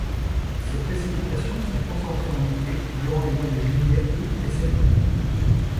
Ces précipitations sont concentrées en été, durant les mois de juillet, août et septembre.